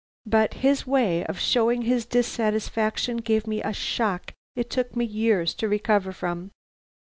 "But his way of showing his dissatisfaction gave me a shock it took me years to recover from.